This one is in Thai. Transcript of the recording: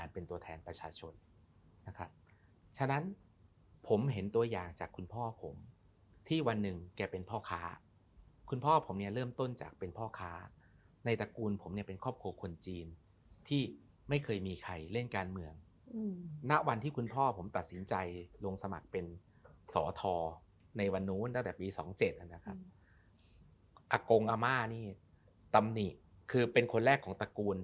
เป็นตัวแทนประชาชนนะคะฉะนั้นผมเห็นตัวอย่างจากคุณพ่อผมที่วันหนึ่งแกเป็นพ่อค้าคุณพ่อผมเนี่ยเริ่มต้นจากเป็นพ่อค้าในตระกูลผมเป็นครอบครัวคนจีนที่ไม่เคยมีใครเล่นการเมือง